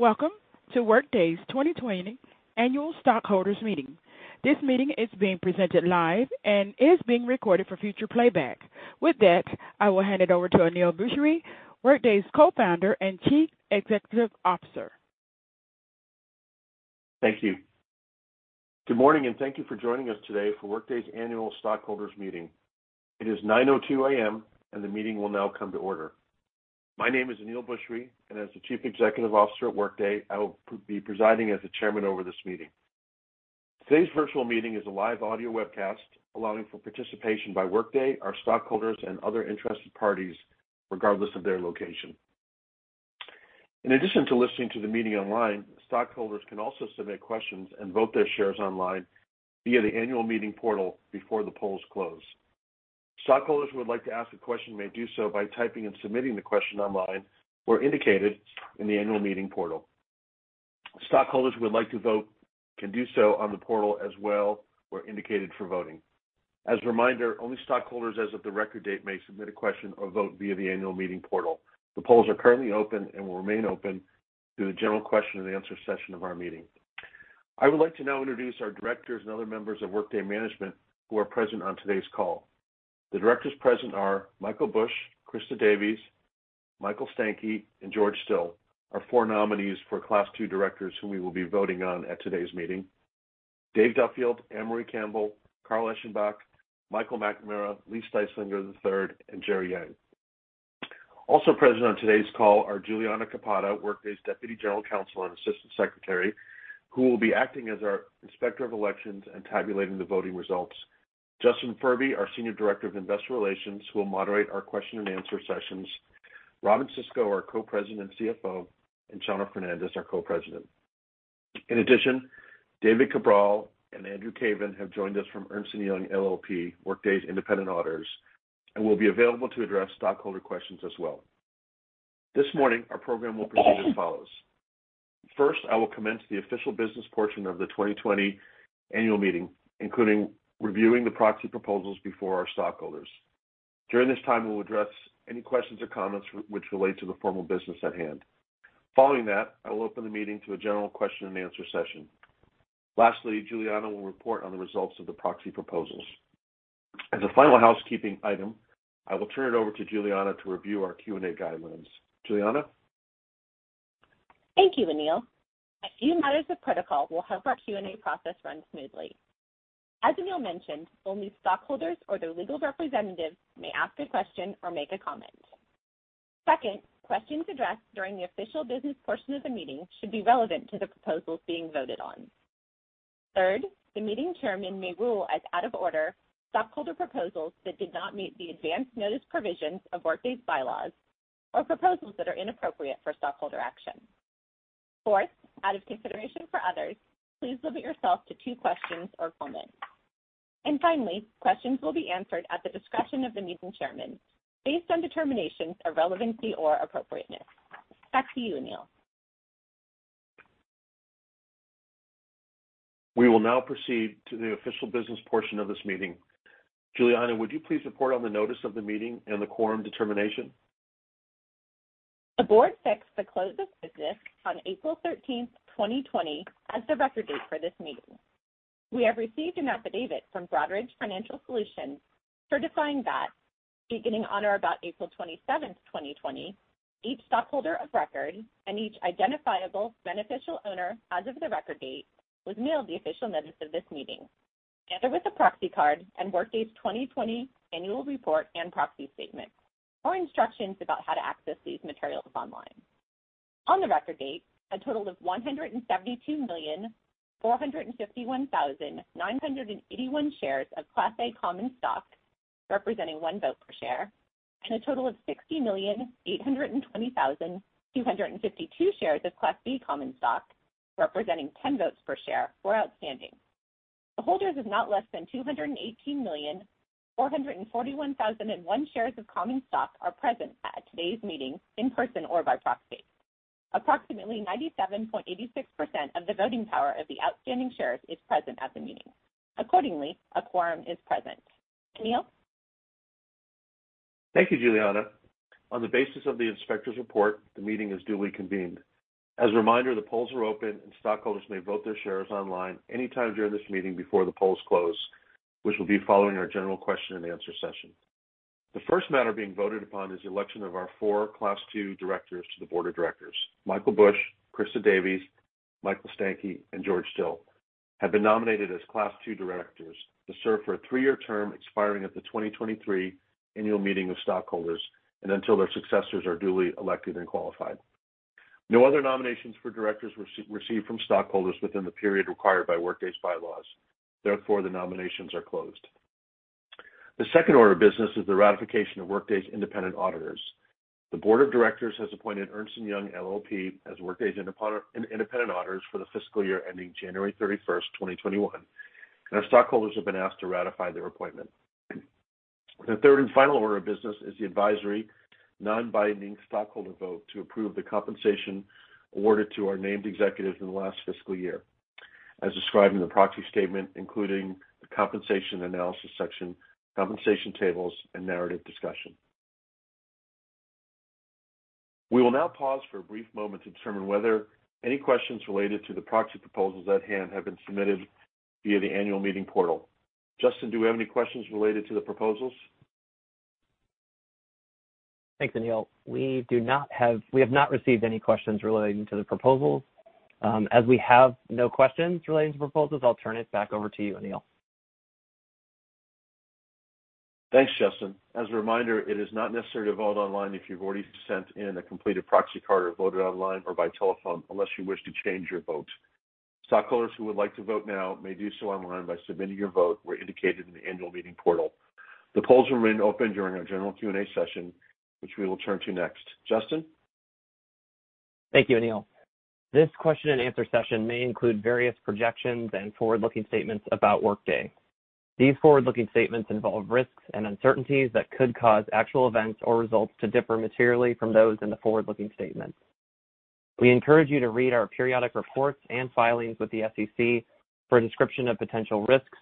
Welcome to Workday's 2020 Annual Stockholders Meeting. This meeting is being presented live and is being recorded for future playback. With that, I will hand it over to Aneel Bhusri, Workday's Co-Founder and Chief Executive Officer. Thank you. Good morning, thank you for joining us today for Workday's Annual Meeting of Stockholders. It is 9:02 A.M., and the meeting will now come to order. My name is Aneel Bhusri, and as the Chief Executive Officer at Workday, I will be presiding as the Chairman over this meeting. Today's virtual meeting is a live audio webcast allowing for participation by Workday, our stockholders, and other interested parties, regardless of their location. In addition to listening to the meeting online, stockholders can also submit questions and vote their shares online via the Annual Meeting Portal before the polls close. Stockholders who would like to ask a question may do so by typing and submitting the question online where indicated in the Annual Meeting Portal. Stockholders who would like to vote can do so on the portal as well, where indicated for voting. As a reminder, only stockholders as of the record date may submit a question or vote via the Annual Meeting Portal. The polls are currently open and will remain open through the general question and answer session of our meeting. I would like to now introduce our Directors and other members of Workday management who are present on today's call. The Directors present are Michael Bush, Christa Davies, Michael Stankey, and George Still, our four nominees for Class II Directors, who we will be voting on at today's meeting. Dave Duffield, Ann-Marie Campbell, Carl Eschenbach, Michael McNamara, Lee Styslinger III, and Jerry Yang. Also present on today's call are Juliana Capata, Workday's Deputy General Counsel and Assistant Secretary, who will be acting as our Inspector of Elections and tabulating the voting results. Justin Furby, our Senior Director of Investor Relations, who will moderate our question and answer sessions. Robynne Sisco, our Co-President and CFO, and Chano Fernandez, our Co-President. In addition, David Cabral and Andrew Caven have joined us from Ernst & Young LLP, Workday's independent auditors, and will be available to address stockholder questions as well. This morning, our program will proceed as follows. First, I will commence the official business portion of the 2020 Annual Meeting, including reviewing the proxy proposals before our stockholders. During this time, we'll address any questions or comments which relate to the formal business at hand. Following that, I will open the meeting to a general question and answer session. Lastly, Juliana will report on the results of the proxy proposals. As a final housekeeping item, I will turn it over to Juliana to review our Q&A guidelines. Juliana? Thank you, Aneel. A few matters of protocol will help our Q&A process run smoothly. As Aneel mentioned, only stockholders or their legal representatives may ask a question or make a comment. Second, questions addressed during the official business portion of the meeting should be relevant to the proposals being voted on. Third, the meeting Chairman may rule as out of order stockholder proposals that did not meet the advance notice provisions of Workday's bylaws or proposals that are inappropriate for stockholder action. Fourth, out of consideration for others, please limit yourself to two questions or comments. Finally, questions will be answered at the discretion of the meeting Chairman based on determinations of relevancy or appropriateness. Back to you, Aneel. We will now proceed to the official business portion of this meeting. Juliana, would you please report on the Notice of the Meeting and the quorum determination? The Board fixed the close of business on April 13th, 2020, as the record date for this meeting. We have received an affidavit from Broadridge Financial Solutions certifying that beginning on or about April 27th, 2020, each stockholder of record and each identifiable beneficial owner as of the record date was mailed the official notice of this meeting and/or with a proxy card and Workday's 2020 Annual Report and Proxy Statement or instructions about how to access these materials online. On the record date, a total of 172,451,981 shares of Class A common stock, representing one vote per share, and a total of 60,820,252 shares of Class B common stock, representing 10 votes per share, were outstanding. The holders of not less than 218,441,001 shares of common stock are present at today's meeting in person or by proxy. Approximately 97.86% of the voting power of the outstanding shares is present at the meeting. Accordingly, a quorum is present. Aneel? Thank you, Juliana. On the basis of the Inspector's report, the meeting is duly convened. As a reminder, the polls are open, and stockholders may vote their shares online anytime during this meeting before the polls close, which will be following our general question and answer session. The first matter being voted upon is the election of our four Class II Directors to the Board of Directors. Michael Bush, Christa Davies, Michael Stankey, and George Still have been nominated as Class II Directors to serve for a three-year term expiring at the 2023 Annual Meeting of Stockholders and until their successors are duly elected and qualified. No other nominations for Directors were received from stockholders within the period required by Workday's bylaws. Therefore, the nominations are closed. The second order of business is the ratification of Workday's independent auditors. The Board of Directors has appointed Ernst & Young LLP as Workday's independent auditors for the fiscal year ending January 31st, 2021, and our stockholders have been asked to ratify their appointment. The third and final order of business is the advisory, non-binding stockholder vote to approve the compensation awarded to our named executives in the last fiscal year. As described in the proxy statement, including the compensation analysis section, compensation tables, and narrative discussion. We will now pause for a brief moment to determine whether any questions related to the proxy proposals at hand have been submitted via the Annual Meeting Portal. Justin, do we have any questions related to the proposals? Thank you, Aneel. We have not received any questions relating to the proposals. As we have no questions relating to the proposals, I'll turn it back over to you, Aneel. Thanks, Justin. As a reminder, it is not necessary to vote online if you've already sent in a completed proxy card or voted online or by telephone unless you wish to change your vote. Stockholders who would like to vote now may do so online by submitting your vote where indicated in the Annual Meeting Portal. The polls remain open during our general Q&A session, which we will turn to next. Justin? Thank you, Aneel. This question and answer session may include various projections and forward-looking statements about Workday. These forward-looking statements involve risks and uncertainties that could cause actual events or results to differ materially from those in the forward-looking statements. We encourage you to read our periodic reports and filings with the SEC for a description of potential risks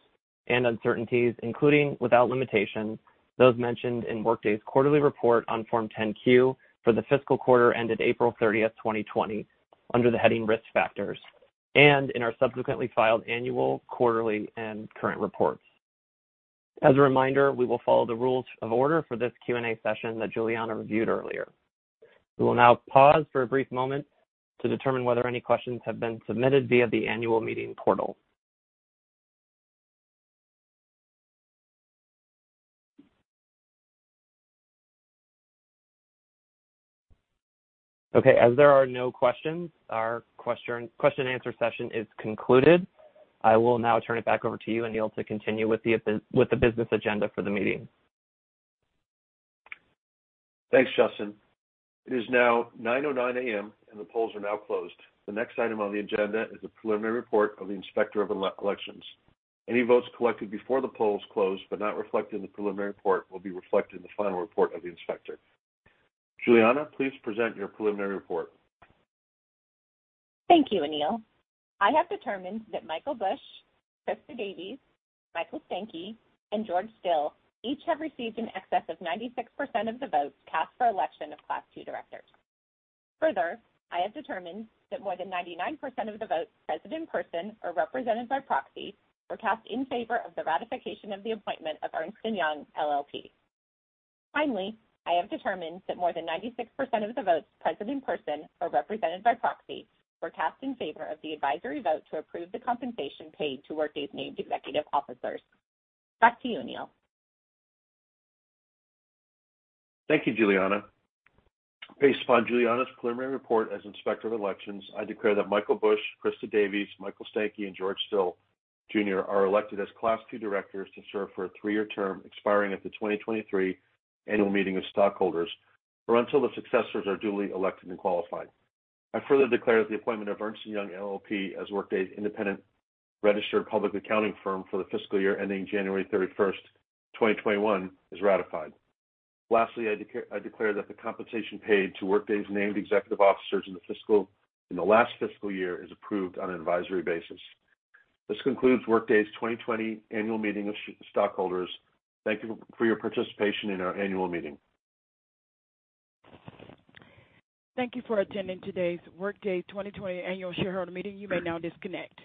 and uncertainties, including, without limitation, those mentioned in Workday's quarterly report on Form 10-Q for the fiscal quarter ended April 30th, 2020, under the heading Risk Factors, and in our subsequently filed annual, quarterly, and current reports. As a reminder, we will follow the rules of order for this Q&A session that Juliana reviewed earlier. We will now pause for a brief moment to determine whether any questions have been submitted via the Annual Meeting Portal. Okay, as there are no questions, our question answer session is concluded. I will now turn it back over to you, Aneel, to continue with the business agenda for the meeting. Thanks, Justin. It is now 9:09 A.M. The polls are now closed. The next item on the agenda is the preliminary report of the Inspector of Elections. Any votes collected before the polls closed but not reflected in the preliminary report will be reflected in the final report of the Inspector. Juliana, please present your preliminary report. Thank you, Aneel. I have determined that Michael Bush, Christa Davies, Michael Stankey, and George Still each have received in excess of 96% of the votes cast for election of Class II Directors. I have determined that more than 99% of the votes present in person or represented by proxy were cast in favor of the ratification of the appointment of Ernst & Young LLP. I have determined that more than 96% of the votes present in person or represented by proxy were cast in favor of the advisory vote to approve the compensation paid to Workday's named executive officers. Back to you, Aneel. Thank you, Juliana. Based upon Juliana's preliminary report as Inspector of Elections, I declare that Michael Bush, Christa Davies, Michael Stankey, and George Still Jr. are elected as Class II Directors to serve for a three-year term expiring at the 2023 Annual Meeting of Stockholders or until the successors are duly elected and qualified. I further declare that the appointment of Ernst & Young LLP as Workday's independent registered public accounting firm for the fiscal year ending January 31, 2021 is ratified. Lastly, I declare that the compensation paid to Workday's named executive officers in the last fiscal year is approved on an advisory basis. This concludes Workday's 2020 Annual Meeting of Stockholders. Thank you for your participation in our annual meeting. Thank you for attending today's Workday 2020 Annual Shareholder Meeting. You may now disconnect.